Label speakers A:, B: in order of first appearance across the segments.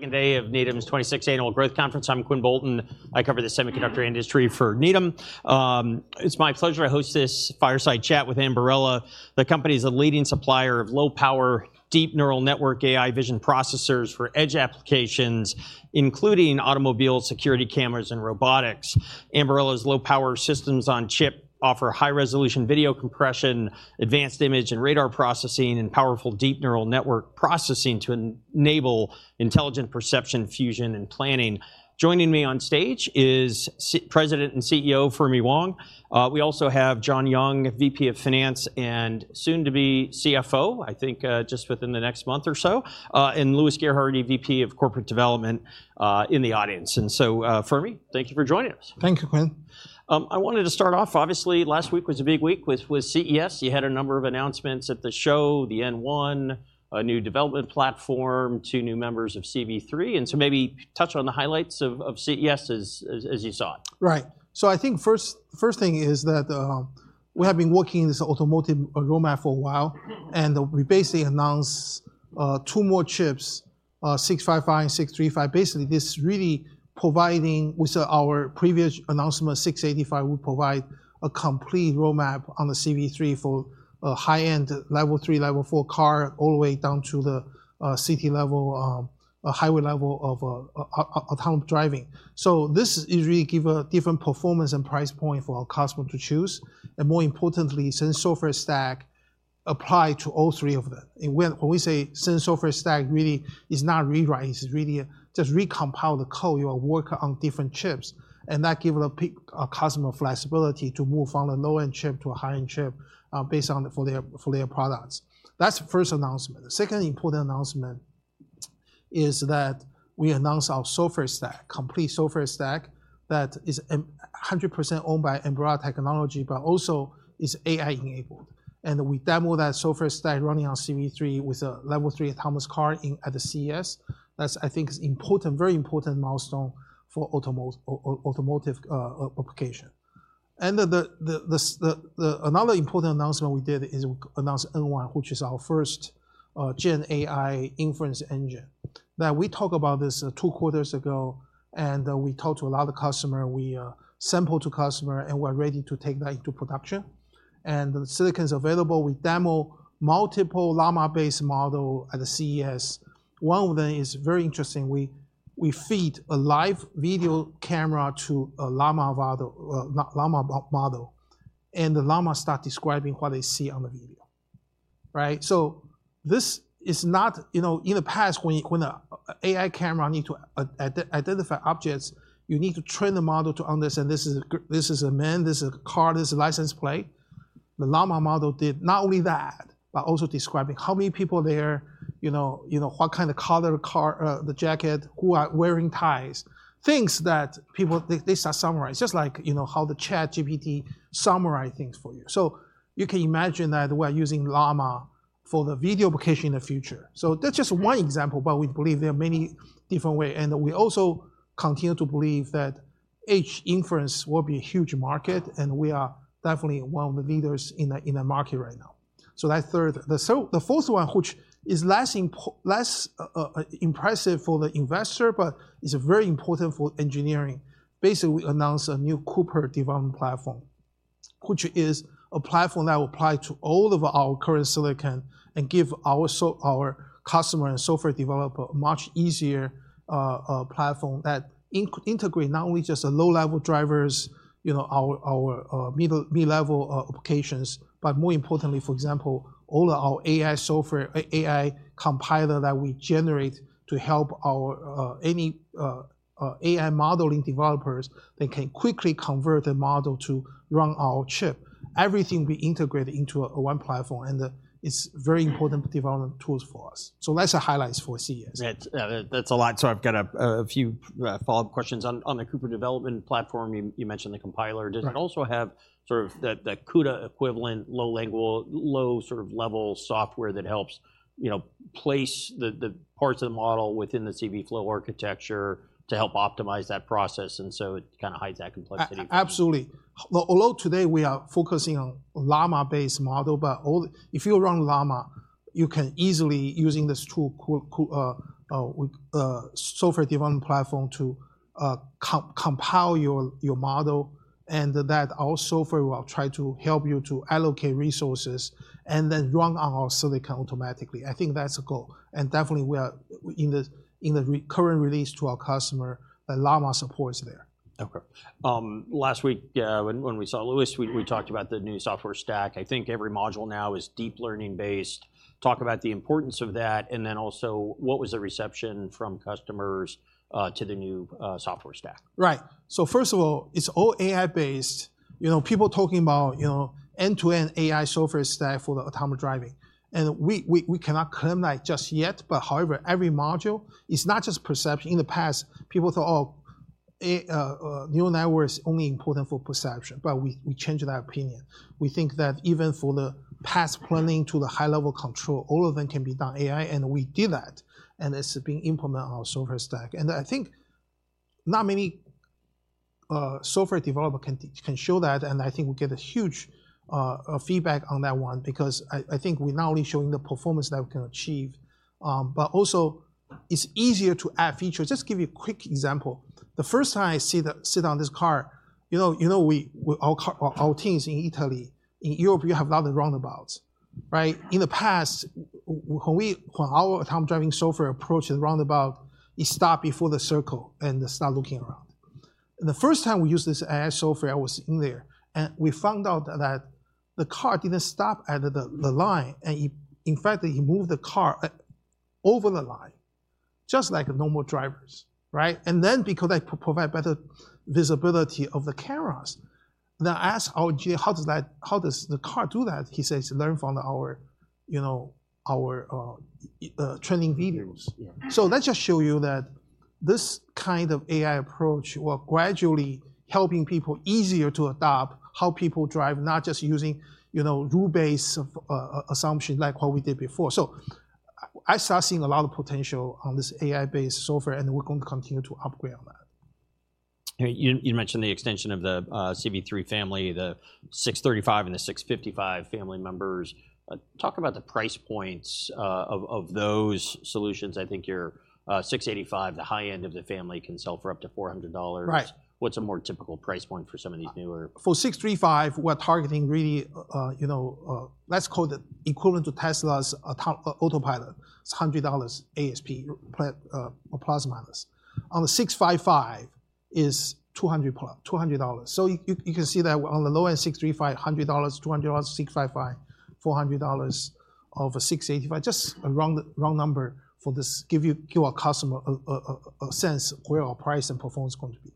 A: Second day of Needham's 64th Annual Growth Conference. I'm Quinn Bolton. I cover the semiconductor industry for Needham. It's my pleasure to host this fireside chat with Ambarella. The company's a leading supplier of low-power, deep neural network AI vision processors for edge applications, including automobile security cameras and robotics. Ambarella's low-power systems on chip offer high-resolution video compression, advanced image and radar processing, and powerful deep neural network processing to enable intelligent perception, fusion, and planning. Joining me on stage is President and CEO, Fermi Wang. We also have John Young, VP of Finance, and soon to be CFO, I think, just within the next month or so, and Louis Gerhardy, VP of Corporate Development, in the audience. And so, Fermi, thank you for joining us.
B: Thank you, Quinn.
A: I wanted to start off, obviously, last week was a big week with CES. You had a number of announcements at the show, the N1, a new development platform, two new members of CV3, and so maybe touch on the highlights of CES as you saw it.
B: Right. So I think first thing is that, we have been working in this automotive roadmap for a while, and we basically announced two more chips, 655, 635. Basically, this really providing with our previous announcement of 685, we provide a complete roadmap on the CV3 for a high-end Level 3, Level 4 car, all the way down to the city level, a highway level of autonomous driving. So this is really give a different performance and price point for our customer to choose, and more importantly, since software stack apply to all three of them. And when we say same software stack, really is not rewriting, it's really just recompile the code, you are working on different chips. And that gives a customer flexibility to move from a low-end chip to a high-end chip, based on their products. That's the first announcement. The second important announcement is that we announced our software stack, complete software stack, that is 100% owned by Ambarella technology, but also is AI-enabled. And we demo that software stack running on CV3 with a Level 3 autonomous car at the CES. That's, I think, is important, very important milestone for automotive application. Another important announcement we did is we announced N1, which is our first GenAI inference engine. Now, we talked about this two quarters ago, and we talked to a lot of customers, we sampled to customers, and we're ready to take that into production. The silicon is available. We demo multiple Llama-based model at the CES. One of them is very interesting. We feed a live video camera to a Llama model, and the Llama start describing what they see on the video, right? So this is not, you know, in the past, when a AI camera need to identify objects, you need to train the model to understand this is a man, this is a car, this is a license plate. The Llama model did not only that, but also describing how many people there, you know, you know, what kind of color car, the jacket, who are wearing ties. Things that people they start summarize. Just like, you know, how the ChatGPT summarize things for you. So you can imagine that we're using Llama for the video application in the future. So that's just one example, but we believe there are many different way. And we also continue to believe that each inference will be a huge market, and we are definitely one of the leaders in the market right now. So that's third. The fourth one, which is less impressive for the investor, but is very important for engineering. Basically, we announce a new Cooper Developer Platform, which is a platform that will apply to all of our current silicon and give our customer and software developer a much easier platform that integrate not only just the low-level drivers, you know, our mid-level applications, but more importantly, for example, all our AI software, AI compiler that we generate to help our any AI modeling developers. They can quickly convert the model to run our chip. Everything we integrate into one platform, and it's very important development tools for us. So that's the highlights for CES.
A: That's a lot. So I've got a few follow-up questions. On the Cooper Developer Platform, you mentioned the compiler.
B: Right.
A: Does it also have sort of that, that CUDA equivalent, low-level, low sort of level software that helps, you know, place the, the parts of the model within the CVflow architecture to help optimize that process, and so it kind of hides that complexity?
B: Absolutely. Although today we are focusing on Llama-based model, but if you run Llama, you can easily, using this tool, Cooper software development platform, to compile your model, and that also for will try to help you to allocate resources, and then run on our silicon automatically. I think that's the goal, and definitely we are in the current release to our customer, the Llama support is there.
A: Okay. Last week, when we saw Louis, we talked about the new software stack. I think every module now is deep learning-based. Talk about the importance of that, and then also, what was the reception from customers to the new software stack?
B: Right. So first of all, it's all AI-based. You know, people talking about, you know, end-to-end AI software stack for the autonomous driving, and we cannot claim that just yet, but however, every module, it's not just perception. In the past, people thought, "Oh, a neural network is only important for perception," but we changed that opinion. We think that even for the path planning to the high-level control, all of them can be done AI, and we did that, and it's being implemented on our software stack. And I think not many software developers can show that, and I think we get a huge feedback on that one, because I think we're not only showing the performance that we can achieve, but also it's easier to add features. Just give you a quick example. The first time I sat in this car, you know, you know, we, with our teams in Italy, in Europe, you have a lot of roundabouts, right? In the past, when we, when our autonomous driving software approached the roundabout, it stop before the circle and start looking around. The first time we used this AI software, I was in there, and we found out that the car didn't stop at the, the line, and in fact, it moved the car over the line, just like normal drivers, right? And then because it provide better visibility of the cameras, then I ask, "Oh, Gee, how does the car do that?" He says, "Learn from our, you know, our training videos.
A: Videos, yeah.
B: So that just shows you that this kind of AI approach will gradually help people easier to adopt how people drive, not just using, you know, rule-based assumption, like what we did before. So I start seeing a lot of potential on this AI-based software, and we're going to continue to upgrade on that.
A: You mentioned the extension of the CV3 family, the 635 and the 655 family members. Talk about the price points of those solutions. I think your 685, the high end of the family, can sell for up to $400.
B: Right.
A: What's a more typical price point for some of these newer?
B: For 635, we're targeting really, you know, let's call it equivalent to Tesla's Autopilot. It's $100 ASP, plus or minus. On the 655, is $200+, $200. So you can see that on the low end, 635, $100, $200, 655, $400, of a 685. Just a round number for this, give you, give our customer a sense of where our price and performance is going to be.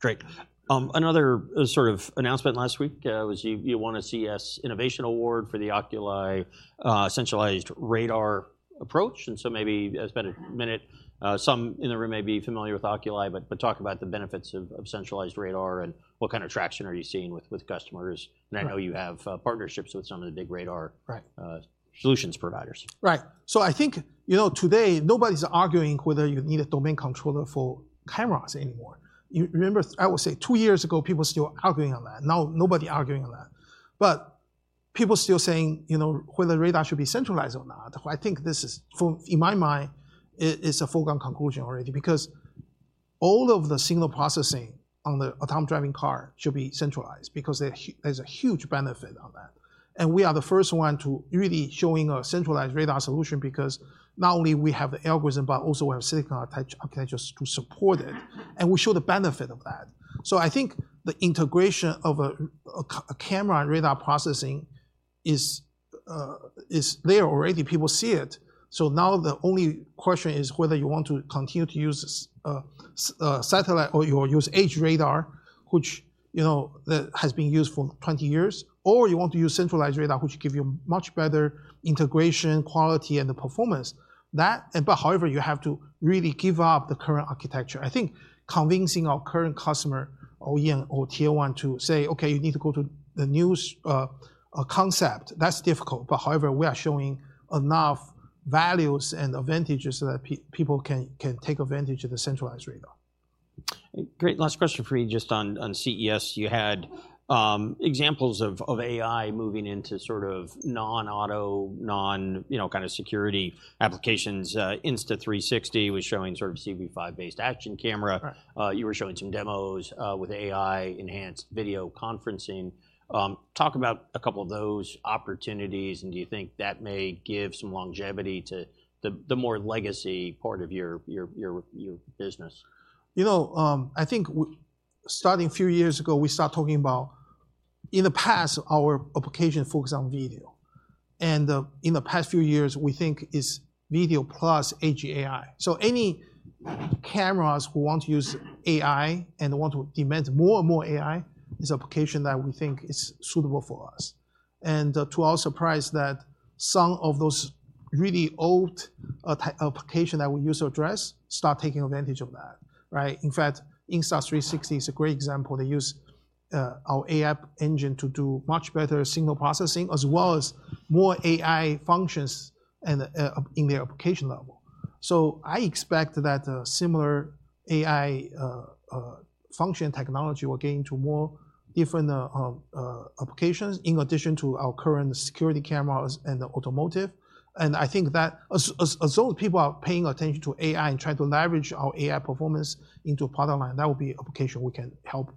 A: Great. Another sort of announcement last week was you won a CES Innovation Award for the Oculii centralized radar approach, and so maybe spend a minute. Some in the room may be familiar with Oculii, but talk about the benefits of centralized radar, and what kind of traction are you seeing with customers?
B: Right.
A: I know you have partnerships with some of the big radar-
B: Right
A: Solutions providers.
B: Right. So I think, you know, today, nobody's arguing whether you need a domain controller for cameras anymore. You remember, I would say two years ago, people still arguing on that. Now, nobody arguing on that. But people still saying, you know, whether radar should be centralized or not. I think this is, in my mind, it is a foregone conclusion already. Because all of the signal processing on the autonomous driving car should be centralized, because there's a huge benefit on that. And we are the first one to really showing a centralized radar solution because not only we have the algorithm, but also we have silicon architectures to support it, and we show the benefit of that. So I think the integration of a camera and radar processing is there already. People see it, so now the only question is whether you want to continue to use satellite or you use edge radar, which, you know, has been used for 20 years, or you want to use centralized radar, which give you much better integration, quality, and the performance. That, but however, you have to really give up the current architecture. I think convincing our current customer, OEM or Tier 1, to say, "Okay, you need to go to the new concept," that's difficult. But however, we are showing enough values and advantages so that people can take advantage of the centralized radar.
A: Great. Last question for you, just on CES, you had examples of AI moving into sort of non-auto, non, you know, kind of security applications. Insta360 was showing sort of CV5-based action camera.
B: Right.
A: You were showing some demos with AI-enhanced video conferencing. Talk about a couple of those opportunities, and do you think that may give some longevity to the more legacy part of your business?
B: You know, I think starting a few years ago, we start talking about, in the past, our application focus on video. And, in the past few years, we think is video plus edge AI. So any cameras who want to use AI and want to demand more and more AI, is application that we think is suitable for us. And to our surprise, that some of those really old application that we use to address, start taking advantage of that, right? In fact, Insta360 is a great example. They use our AI engine to do much better signal processing, as well as more AI functions in their application level. So I expect that a similar AI function technology will get into more different applications, in addition to our current security cameras and the automotive. I think that as long as people are paying attention to AI and trying to leverage our AI performance into a product line, that will be application we can help.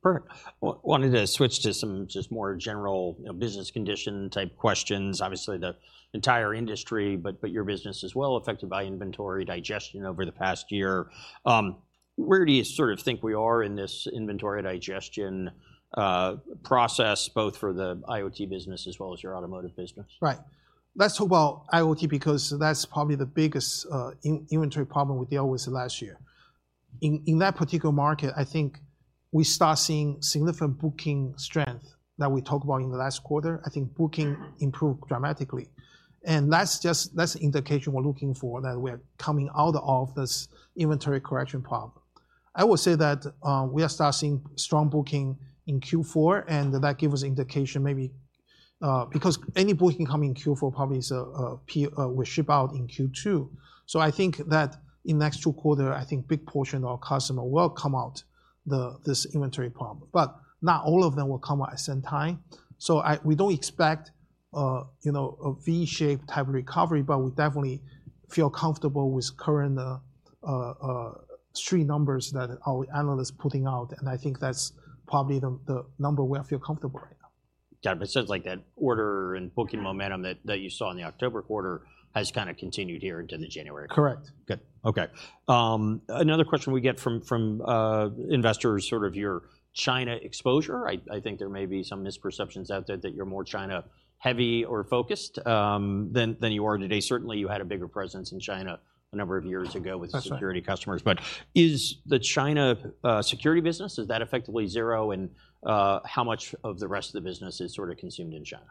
A: Perfect. Wanted to switch to some just more general, you know, business condition type questions. Obviously, the entire industry, but, but your business as well, affected by inventory digestion over the past year. Where do you sort of think we are in this inventory digestion process, both for the IoT business as well as your automotive business?
B: Right. Let's talk about IoT, because that's probably the biggest inventory problem we deal with last year. In that particular market, I think we start seeing significant booking strength that we talked about in the last quarter. I think booking improved dramatically. And that's just, that's the indication we're looking for, that we're coming out of this inventory correction problem. I would say that we are starting strong booking in Q4, and that give us indication maybe because any booking coming in Q4 probably will ship out in Q2. So I think that in the next two quarter, I think big portion of our customer will come out the this inventory problem. But not all of them will come out at the same time. So we don't expect, you know, a V-shaped type of recovery, but we definitely feel comfortable with current street numbers that our analysts putting out, and I think that's probably the number where I feel comfortable right now.
A: Got it. But it seems like that order and booking momentum—
B: Mm-hmm.
A: That you saw in the October quarter has kind of continued here into the January.
B: Correct.
A: Good. Okay. Another question we get from investors, sort of your China exposure. I think there may be some misperceptions out there that you're more China-heavy or focused than you are today. Certainly, you had a bigger presence in China a number of years ago—
B: That's right.
A: With security customers. But is the China security business, is that effectively zero, and how much of the rest of the business is sort of consumed in China?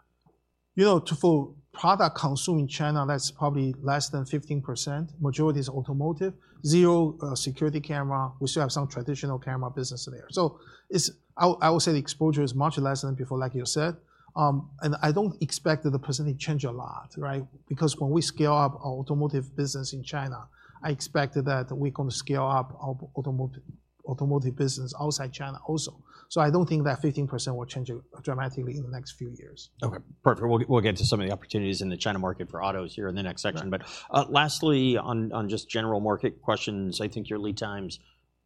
B: You know, the full product consumed in China, that's probably less than 15%, majority is automotive. Zero security camera. We still have some traditional camera business there. So it's. I, I would say the exposure is much less than before, like you said. And I don't expect that the percentage change a lot, right? Because when we scale up our automotive business in China, I expected that we're going to scale up our automotive, automotive business outside China also. So I don't think that 15% will change dramatically in the next few years.
A: Okay, perfect. We'll, we'll get to some of the opportunities in the China market for autos here in the next section.
B: Right.
A: But, lastly, on just general market questions, I think your lead times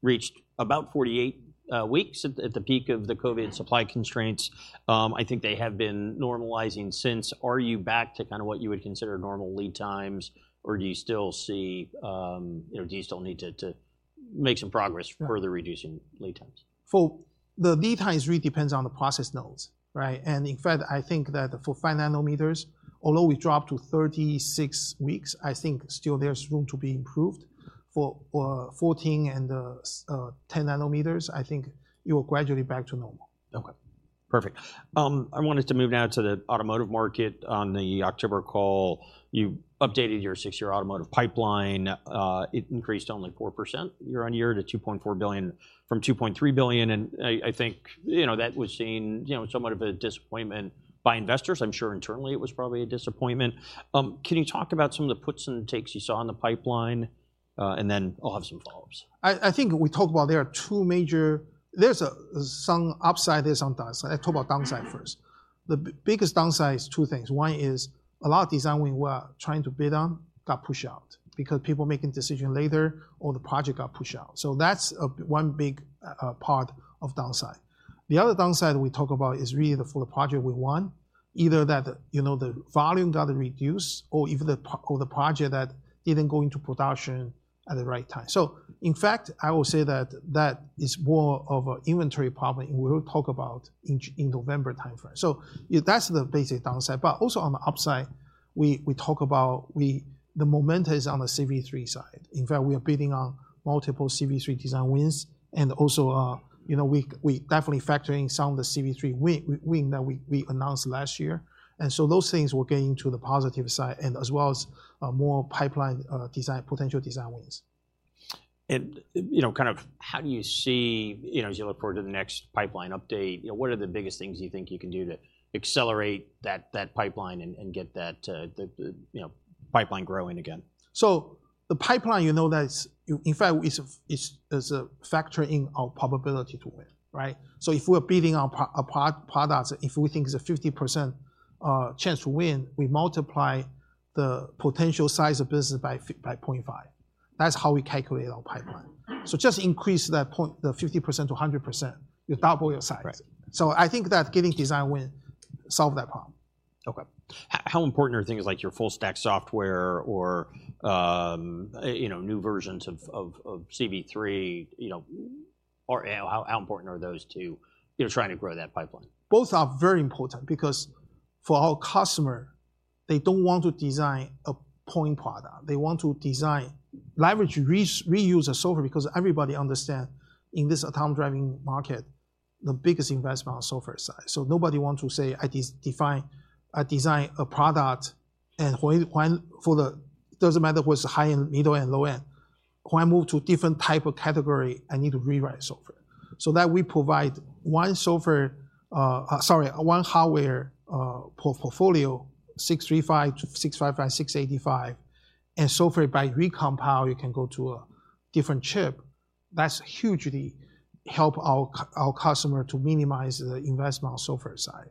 A: reached about 48 weeks at the peak of the COVID supply constraints. I think they have been normalizing since. Are you back to kind of what you would consider normal lead times, or do you still see, you know, do you still need to make some progress—
B: Sure.
A: Further reducing lead times?
B: For the lead times really depends on the process nodes, right? And in fact, I think that for 5 nanometers, although we dropped to 36 weeks, I think still there's room to be improved. For 14 and 7 and 10 nanometers, I think you are gradually back to normal.
A: Okay, perfect. I wanted to move now to the automotive market. On the October call, you updated your six-year automotive pipeline. It increased only 4% year-on-year to $2.4 billion from $2.3 billion, and I, I think, you know, that was seen, you know, somewhat of a disappointment by investors. I'm sure internally it was probably a disappointment. Can you talk about some of the puts and takes you saw in the pipeline? And then I'll have some follow-ups.
B: I think we talked about there are two major. There's some upside, there's one downside. I talk about downside first. The biggest downside is two things. One is a lot of design wins we were trying to bid on got pushed out because people making decision later or the project got pushed out. So that's one big part of downside. The other downside we talk about is really the full project we won, either that, you know, the volume got reduced or even the project that didn't go into production at the right time. So in fact, I will say that that is more of a inventory problem, and we will talk about in November timeframe. So, yeah, that's the basic downside. But also on the upside, we talk about the momentum is on the CV3 side. In fact, we are bidding on multiple CV3 design wins, and also, you know, we definitely factoring some of the CV3 wins that we announced last year. And so those things will get into the positive side as well as more pipeline design potential design wins.
A: You know, kind of how do you see, you know, as you look forward to the next pipeline update, you know, what are the biggest things you think you can do to accelerate that pipeline and get that, you know, pipeline growing again?
B: So the pipeline, you know, that's, in fact, it's a factor in our probability to win, right? So if we're bidding on products, if we think it's a 50% chance to win, we multiply the potential size of business by 0.5. That's how we calculate our pipeline. So just increase that point five, the 50% to 100%, you double your size.
A: Right.
B: I think that getting design win solve that problem.
A: Okay. How important are things like your full stack software or, you know, new versions of CV3, you know, or how important are those to, you know, trying to grow that pipeline?
B: Both are very important because for our customer, they don't want to design a point product. They want to design, leverage, reuse a software, because everybody understand in this autonomous driving market, the biggest investment on software side. So nobody want to say, "I de-define, I design a product," and when, when for the, doesn't matter if it's high-end, middle-end, low-end, "When I move to different type of category, I need to rewrite software." So that we provide one software, one hardware portfolio, 635, 655, 685, and software by recompile, you can go to a different chip. That's hugely help our customer to minimize the investment on software side.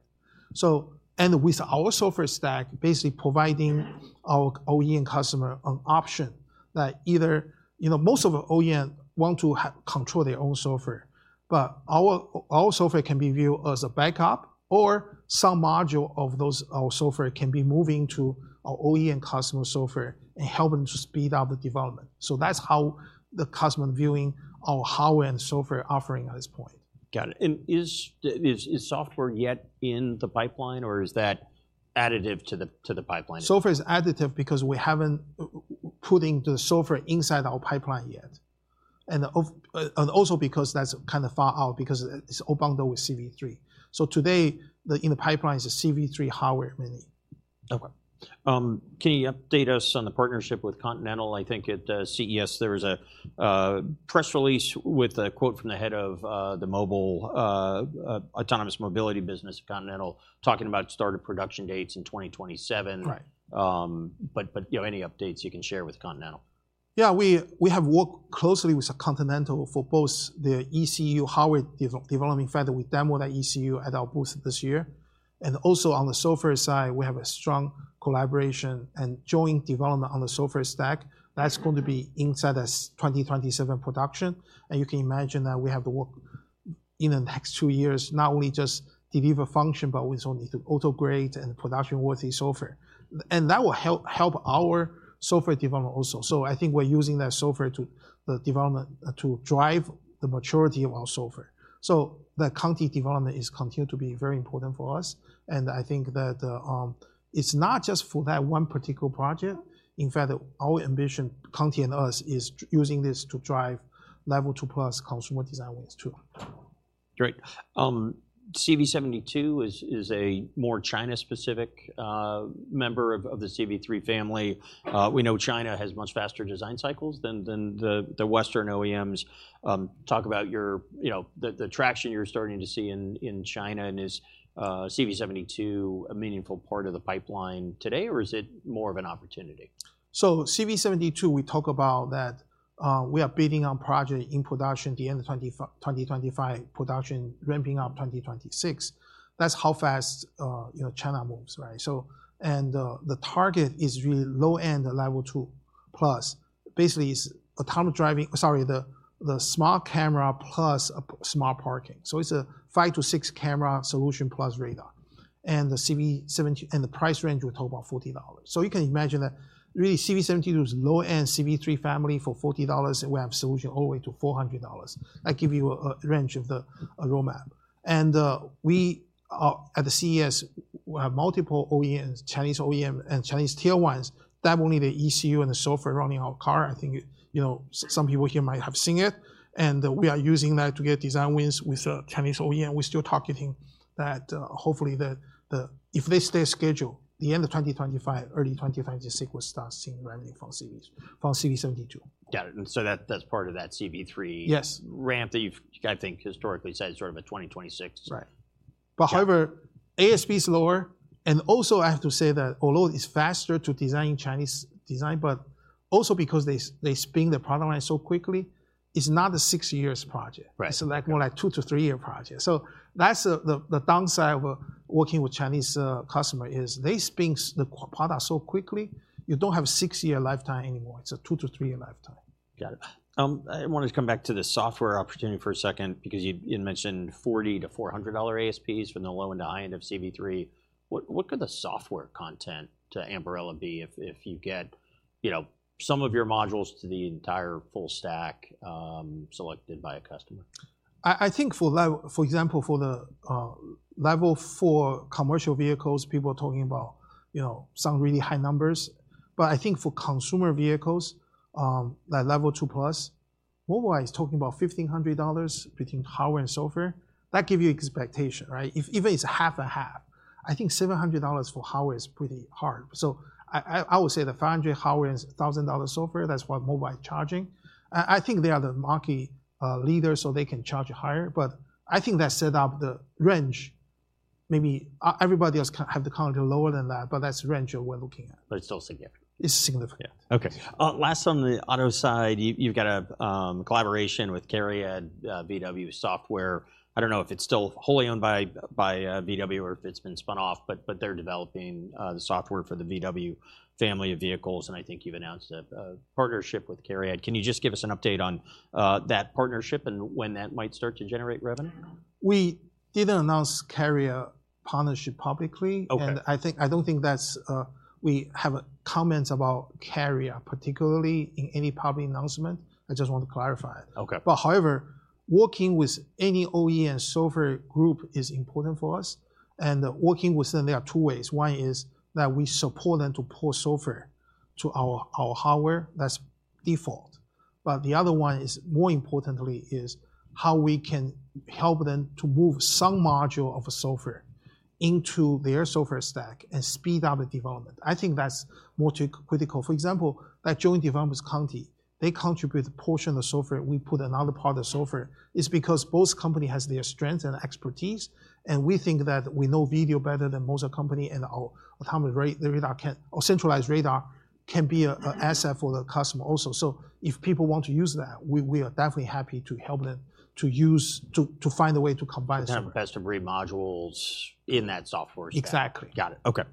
B: So, and with our software stack, basically providing our OEM customer an option that either. You know, most of our OEM want to control their own software, but our, our software can be viewed as a backup or some module of those, our software can be moving to our OEM customer software and help them to speed up the development. So that's how the customer viewing our hardware and software offering at this point.
A: Got it. Is software yet in the pipeline, or is that additive to the pipeline?
B: Software is additive because we haven't putting the software inside our pipeline yet, and of, and also because that's kind of far out, because it's all bound up with CV3. So today, in the pipeline is a CV3 hardware mainly.
A: Okay. Can you update us on the partnership with Continental? I think at CES, there was a press release with a quote from the head of the mobile autonomous mobility business of Continental, talking about start of production dates in 2027.
B: Right.
A: But, you know, any updates you can share with Continental?
B: Yeah, we have worked closely with Continental for both their ECU hardware developing further. We demoed our ECU at our booth this year. And also on the software side, we have a strong collaboration and joint development on the software stack. That's going to be inside the 2027 production. And you can imagine that we have to work in the next two years, not only just deliver function, but we also need to auto-grade and production-worthy software. And that will help our software development also. So I think we're using that software to the development to drive the maturity of our software. So the Conti development is continued to be very important for us, and I think that it's not just for that one particular project. In fact, our ambition, Conti and us, is using this to drive Level 2 Plus consumer design wins, too.
A: Great. CV72 is a more China-specific member of the CV3 family. We know China has much faster design cycles than the Western OEMs. Talk about your, you know, the traction you're starting to see in China, and is CV72 a meaningful part of the pipeline today, or is it more of an opportunity?
B: So CV72, we talk about that, we are bidding on project in production at the end of 2025, production ramping up 2026. That's how fast, you know, China moves, right? So, and, the target is really low-end Level 2 Plus. Basically, it's autonomous driving. Sorry, the smart camera plus smart parking. So it's a 5-6 camera solution, plus radar. And the CV72 and the price range, we talk about $40. So you can imagine that really, CV72 is low-end CV3 family for $40, and we have solution all the way to $400. I give you a range of the roadmap. And, we are at the CES, we have multiple OEMs, Chinese OEM and Chinese Tier 1s, that only the ECU and the software running our car. I think, you know, some people here might have seen it, and we are using that to get design wins with Chinese OEM. We're still targeting that, hopefully, if they stay scheduled, the end of 2025, early 2025, the sequence start seeing ramping from CVs, from CV72.
A: Got it, and so that, that's part of that CV3—
B: Yes
A: Ramp that you've, I think, historically said is sort of a 2026.
B: Right.
A: Yeah.
B: However, ASP is lower, and also, I have to say that although it's faster to design Chinese design, but also because they spin the product line so quickly, it's not a six-year project.
A: Right.
B: It's, like, more like two to three year project. So that's the downside of working with Chinese customer, is they spin the product so quickly, you don't have a 6-year lifetime anymore. It's a 2-3-year lifetime.
A: Got it. I wanted to come back to the software opportunity for a second, because you, you mentioned $40-$400 ASPs from the low end to high end of CV3. What, what could the software content to Ambarella be if, if you get, you know, some of your modules to the entire full stack, selected by a customer?
B: I think for example, for the level 4 commercial vehicles, people are talking about, you know, some really high numbers. But I think for consumer vehicles, like Level 2 Plus, Mobileye is talking about $1500 between hardware and software. That give you expectation, right? If it's half a half, I think $700 for hardware is pretty hard. So I would say the $500 hardware and $1000 software, that's what Mobileye charging. I think they are the market leader, so they can charge higher, but I think that set up the range. Maybe everybody else can have the cost lower than that, but that's the range that we're looking at.
A: But it's still significant.
B: It's significant.
A: Yeah. Okay. Last on the auto side, you, you've got a collaboration with CARIAD, VW Software. I don't know if it's still wholly owned by, by VW or if it's been spun off, but, but they're developing the software for the VW family of vehicles, and I think you've announced a partnership with CARIAD. Can you just give us an update on that partnership and when that might start to generate revenue?
B: We didn't announce CARIAD partnership publicly.
A: Okay.
B: I think, I don't think that's we have comments about CARIAD, particularly in any public announcement. I just want to clarify.
A: Okay.
B: However, working with any OE and software group is important for us, and working with them, there are two ways. One is that we support them to port software to our hardware. That's default. But the other one is, more importantly, how we can help them to move some module of software into their software stack and speed up the development. I think that's more critical. For example, that joint development with Continental, they contribute a portion of the software, we put another part of software. It's because both company has their strengths and expertise, and we think that we know video better than most company, and our autonomous radar or centralized radar can be a asset for the customer also. So if people want to use that, we are definitely happy to help them to use, to find a way to combine the software.
A: To have best-of-breed modules in that software stack.
B: Exactly.
A: Got it. Okay.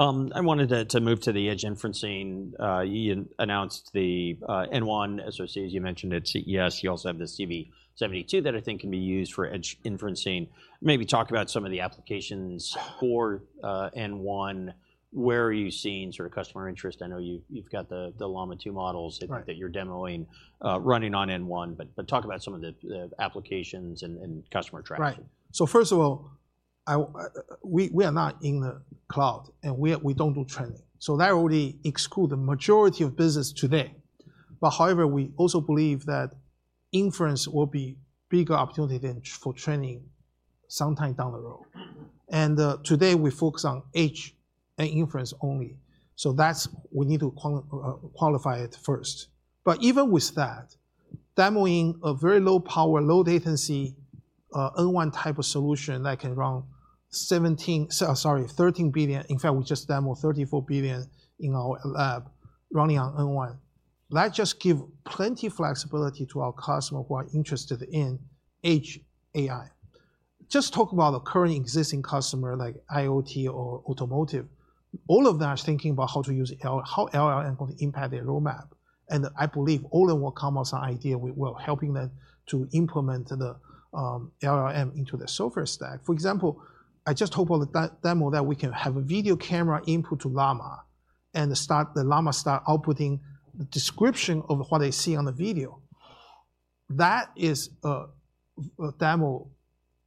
A: I wanted to move to the edge inferencing. You announced the N1 SoC, as you mentioned at CES. You also have the CV72 that I think can be used for edge inferencing. Maybe talk about some of the applications for N1. Where are you seeing sort of customer interest? I know you, you've got the Llama 2 models-
B: Right
A: That you're demoing, running on N1, but talk about some of the applications and customer traction.
B: Right. So first of all, we are not in the cloud, and we don't do training. So that already exclude the majority of business today. But however, we also believe that inference will be bigger opportunity than for training sometime down the road. And, today, we focus on edge and inference only, so that's we need to qualify it first. But even with that, demoing a very low power, low latency, N1 type of solution that can run 17, so sorry, 13 billion. In fact, we just demoed 34 billion in our lab running on N1. That just give plenty flexibility to our customer who are interested in edge AI. Just talk about the current existing customer, like IoT or automotive, all of them are thinking about how to use how LLM going to impact their roadmap. And I believe all of them will come with an idea, well, helping them to implement the LLM into the software stack. For example, I just hope on the demo that we can have a video camera input to Llama, and the Llama start outputting the description of what they see on the video. That is a demo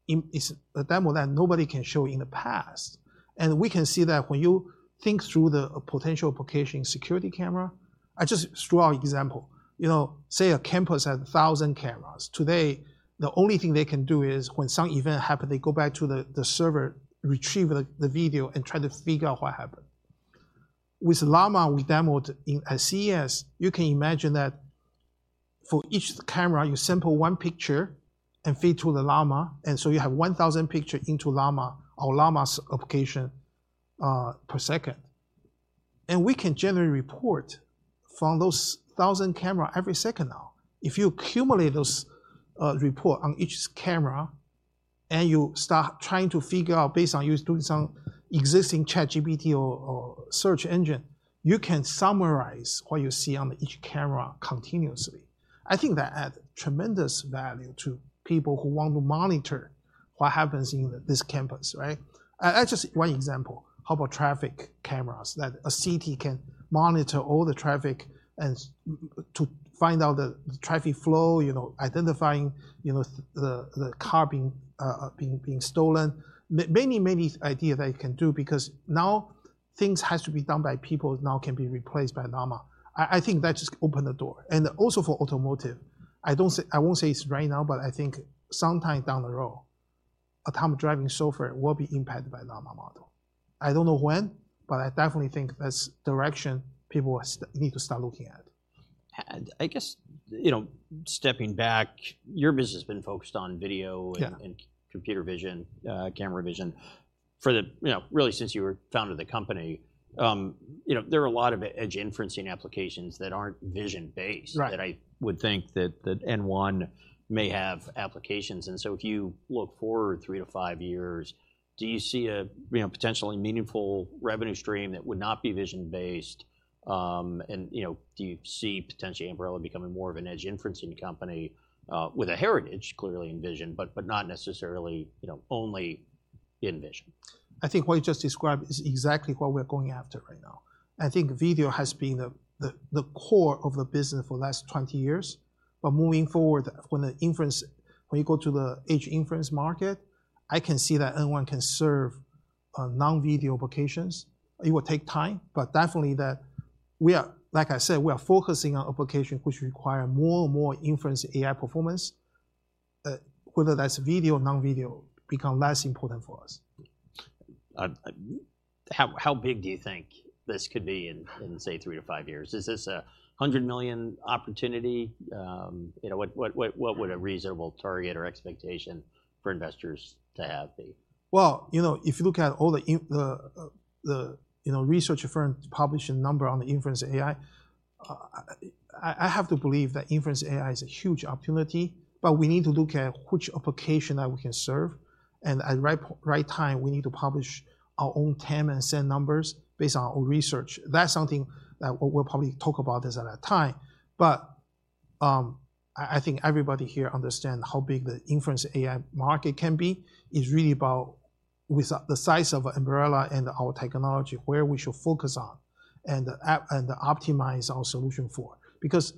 B: that nobody can show in the past. And we can see that when you think through the potential application security camera, that's just a strong example. You know, say, a campus has 1,000 cameras. Today, the only thing they can do is when some event happen, they go back to the server, retrieve the video, and try to figure out what happened. With Llama, we demoed in at CES, you can imagine that for each camera, you sample one picture and feed to the Llama, and so you have 1000 picture into Llama or Llama's application per second. And we can generate report from those 1000 camera every second now. If you accumulate those report on each camera, and you start trying to figure out based on use, doing some existing ChatGPT or search engine, you can summarize what you see on each camera continuously. I think that add tremendous value to people who want to monitor what happens in this campus, right? Just one example, how about traffic cameras, that a city can monitor all the traffic and to find out the traffic flow, you know, identifying, you know, the car being stolen. Many, many ideas that it can do because now things has to be done by people now can be replaced by Llama. I think that just open the door. Also for automotive, I won't say it's right now, but I think sometime down the road, autonomous driving software will be impacted by Llama model. I don't know when, but I definitely think that's direction people must need to start looking at.
A: I guess, you know, stepping back, your business has been focused on video.
B: Yeah
A: And computer vision, camera vision for the, you know, really since you were founded the company. You know, there are a lot of edge inferencing applications that aren't vision-based.
B: Right.
A: That I would think that, that N1 may have applications. And so if you look forward 3-5 years, do you see a, you know, potentially meaningful revenue stream that would not be vision-based? And, you know, do you see potentially Ambarella becoming more of an edge inferencing company, with a heritage, clearly in vision, but, but not necessarily, you know, only in vision?
B: I think what you just described is exactly what we're going after right now. I think video has been the core of the business for the last 20 years. But moving forward, when you go to the edge inference market, I can see that N1 can serve non-video applications. It will take time, but definitely that we are, like I said, we are focusing on application which require more and more inference AI performance, whether that's video or non-video, become less important for us.
A: How big do you think this could be in, say, 3-5 years? Is this a $100 million opportunity? You know, what would a reasonable target or expectation for investors to have be?
B: Well, you know, if you look at all the, you know, research firm publishing number on the inference AI, I have to believe that inference AI is a huge opportunity, but we need to look at which application that we can serve, and at right time, we need to publish our own TAM and SAM numbers based on our research. That's something that we'll probably talk about this at that time. But, I think everybody here understand how big the inference AI market can be. It's really about with the size of Ambarella and our technology, where we should focus on, and optimize our solution for. Because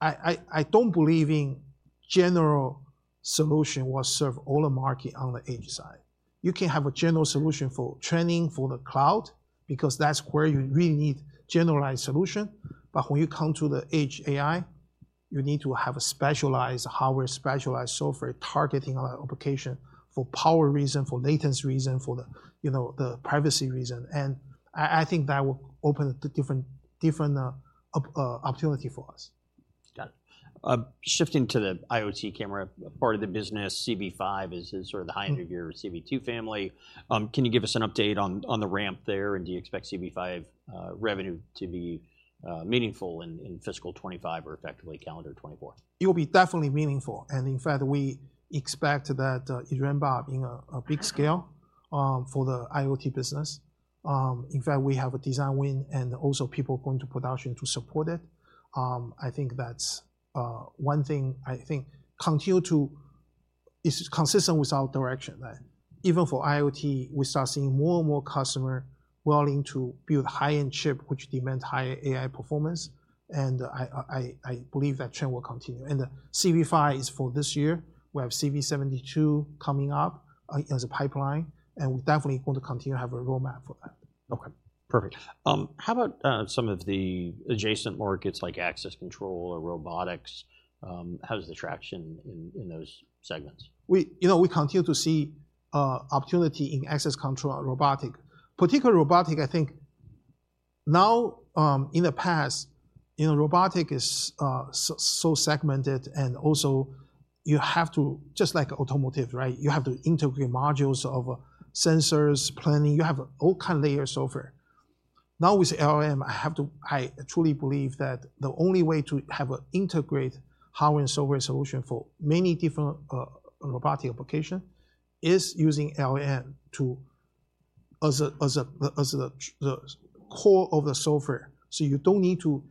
B: I don't believe in general solution will serve all the market on the edge side. You can have a general solution for training for the cloud, because that's where you really need generalized solution. But when you come to the edge AI, you need to have a specialized, hardware specialized software targeting our application for power reason, for latency reason, for the, you know, the privacy reason. And I think that will open the different opportunity for us.
A: Got it. Shifting to the IoT camera part of the business, CV5 is sort of the high end of your CV2 family. Can you give us an update on the ramp there, and do you expect CV5 revenue to be meaningful in fiscal 2025 or effectively calendar 2024?
B: It will be definitely meaningful, and in fact, we expect that, it ramp up in a big scale, for the IoT business. In fact, we have a design win and also people going to production to support it. I think that's one thing I think continue to. It's consistent with our direction, that even for IoT, we start seeing more and more customer willing to build high-end chip, which demands higher AI performance, and I believe that trend will continue. And the CV5 is for this year. We have CV72 coming up as a pipeline, and we definitely going to continue to have a roadmap for that.
A: Okay, perfect. How about some of the adjacent markets, like access control or robotics? How's the traction in those segments?
B: We, you know, we continue to see, opportunity in access control and robotics. Particularly robotics, I think now, in the past, you know, robotics is, so, so segmented, and also you have to just like automotive, right? You have to integrate modules of sensors, planning. You have all kind of layers software. Now, with LLM, I have to I truly believe that the only way to have an integrated hardware and software solution for many different, robotics applications, is using LLM as a, as the core of the software. So you don't need to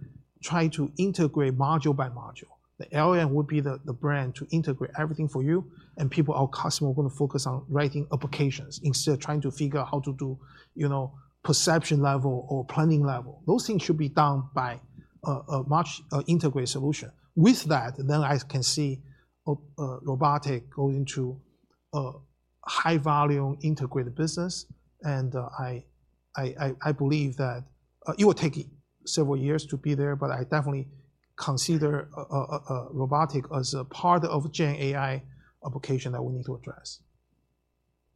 B: try to integrate module by module. The LLM would be the brain to integrate everything for you, and people, our customers, are gonna focus on writing applications instead of trying to figure out how to do, you know, perception level or planning level. Those things should be done by a much integrated solution. With that, then I can see a robotic going into a high-volume integrated business, and I believe that it will take several years to be there, but I definitely consider a robotic as a part of GenAI application that we need to address.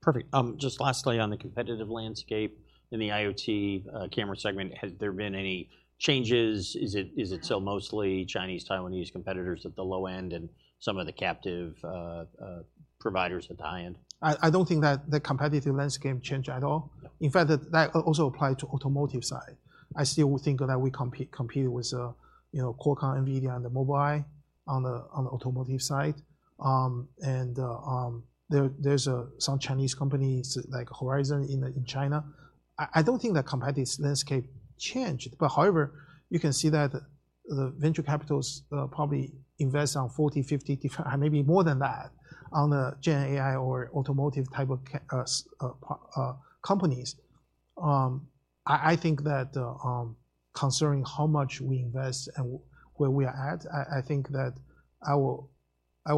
A: Perfect. Just lastly, on the competitive landscape, in the IoT camera segment, has there been any changes? Is it still mostly Chinese, Taiwanese competitors at the low end and some of the captive providers at the high end?
B: I don't think that the competitive landscape change at all.
A: Yeah.
B: In fact, that also apply to automotive side. I still think that we compete with, you know, Qualcomm, NVIDIA, and Mobileye on the automotive side. And there are some Chinese companies, like Horizon in China. I don't think the competitive landscape changed, but however, you can see that the venture capitals probably invest on 40, 50 different. And maybe more than that, on the GenAI or automotive type of companies. I think that, considering how much we invest and where we are at, I think that I will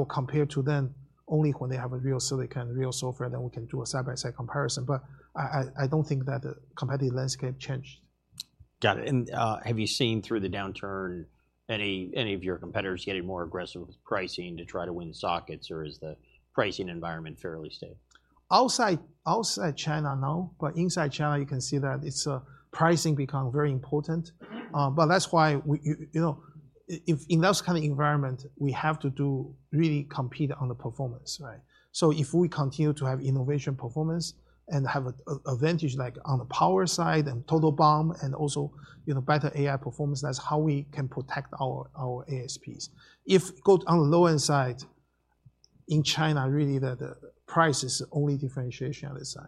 B: compare to them only when they have a real silicon, real software, then we can do a side-by-side comparison. But I don't think that the competitive landscape changed.
A: Got it. And, have you seen, through the downturn, any of your competitors getting more aggressive with pricing to try to win sockets, or is the pricing environment fairly stable?
B: Outside, outside China, no. But inside China, you can see that it's pricing become very important.
A: Mm-hmm.
B: But that's why we, you know, in those kind of environment, we have to do really compete on the performance, right? So if we continue to have innovation performance and have a, a, advantage, like on the power side and total BOM, and also, you know, better AI performance, that's how we can protect our, our ASPs. If go on the low end side, in China, really, the, the price is the only differentiation on this side.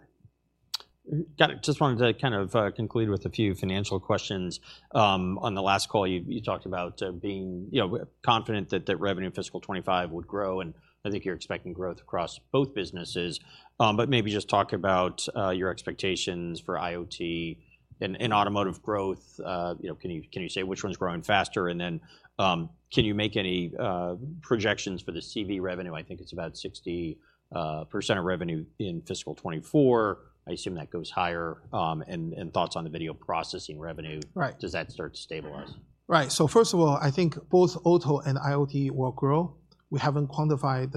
A: Got it. Just wanted to kind of conclude with a few financial questions. On the last call, you talked about being, you know, confident that the revenue in fiscal 2025 would grow, and I think you're expecting growth across both businesses. But maybe just talk about your expectations for IoT and automotive growth. You know, can you say which one's growing faster? And then, can you make any projections for the CV revenue? I think it's about 60% of revenue in fiscal 2024. I assume that goes higher. And thoughts on the video processing revenue?
B: Right.
A: Does that start to stabilize?
B: Right. So first of all, I think both auto and IoT will grow. We haven't quantified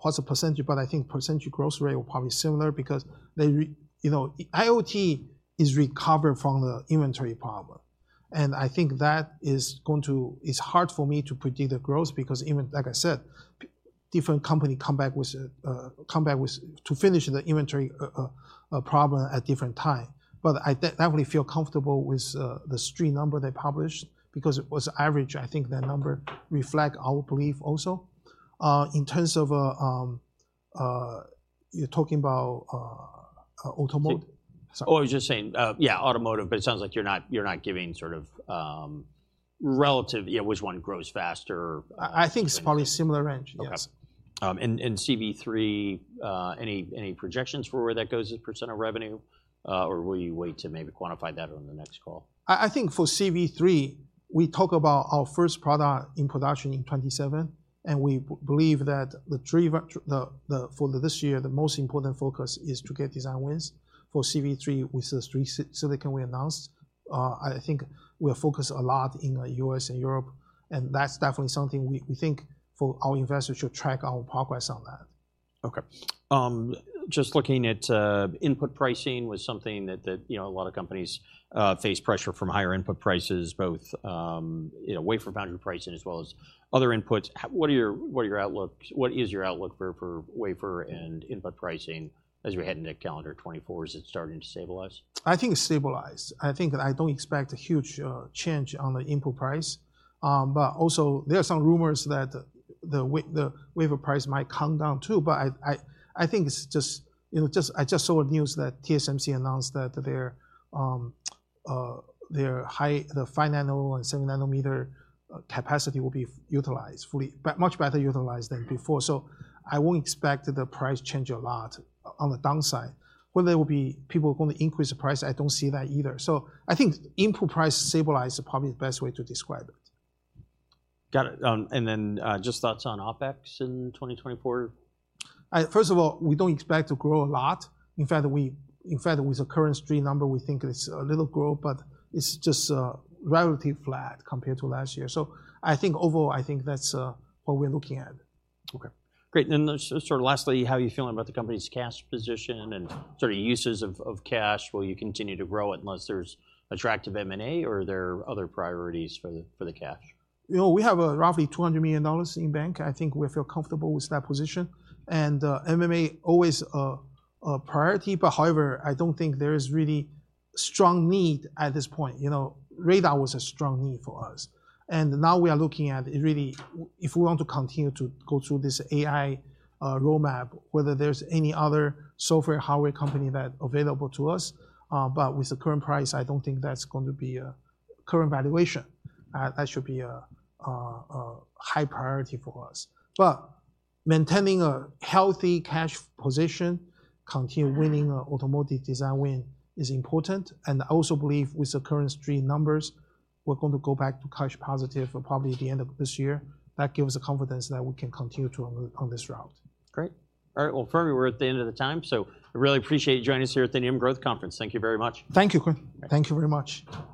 B: what's the percentage, but I think percentage growth rate will probably similar because they, you know, IoT is recovered from the inventory problem, and I think that is going to—It's hard for me to predict the growth because even, like I said, different company come back with a, come back with to finish the inventory, problem at different time. But I definitely feel comfortable with the street number they published because it was average. I think that number reflect our belief also. In terms of, you're talking about, automotive?
A: Oh, I was just saying, yeah, automotive, but it sounds like you're not, you're not giving sort of, relative, you know, which one grows faster.
B: I think it's probably similar range, yes.
A: Okay. And CV3, any projections for where that goes as a % of revenue, or will you wait to maybe quantify that on the next call?
B: I think for CV3, we talk about our first product in production in 2027, and we believe that for this year, the most important focus is to get design wins for CV3 with the three silicon we announced. I think we are focused a lot in U.S. and Europe, and that's definitely something we think for our investors should track our progress on that.
A: Okay. Just looking at input pricing was something that, you know, a lot of companies face pressure from higher input prices, both, you know, wafer foundry pricing, as well as other inputs. What is your outlook for wafer and input pricing as we head into calendar 2024? Is it starting to stabilize?
B: I think stabilize. I think I don't expect a huge change on the input price. But also there are some rumors that the wafer price might come down, too. But I think it's just, you know, I just saw a news that TSMC announced that their their high, the 5-nanometer and 7-nanometer capacity will be utilized fully, but much better utilized than before. So I won't expect the price change a lot on the downside. Whether there will be people going to increase the price, I don't see that either. So I think input price stabilize is probably the best way to describe it.
A: Got it. And then, just thoughts on OpEx in 2024?
B: First of all, we don't expect to grow a lot. In fact, in fact, with the current street number, we think it's a little growth, but it's just relatively flat compared to last year. So I think overall, I think that's what we're looking at.
A: Okay, great. And then sort of lastly, how are you feeling about the company's cash position and sort of uses of, of cash? Will you continue to grow it unless there's attractive M&A, or are there other priorities for the, for the cash?
B: You know, we have roughly $200 million in bank. I think we feel comfortable with that position, and M&A always a priority. But however, I don't think there is really strong need at this point. You know, radar was a strong need for us, and now we are looking at, really, if we want to continue to go through this AI roadmap, whether there's any other software, hardware company that available to us. But with the current price, I don't think that's going to be a current valuation. That should be a high priority for us. But maintaining a healthy cash position, continue winning automotive design win is important, and I also believe with the current stream numbers, we're going to go back to cash positive for probably the end of this year. That gives us the confidence that we can continue on this route.
A: Great. All right, well, Fermi, we're at the end of the time, so I really appreciate you joining us here at the Needham Growth Conference. Thank you very much.
B: Thank you, Quinn. Thank you very much.